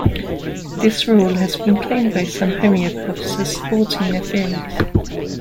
This rule has been claimed by some homeopaths as supporting their theories.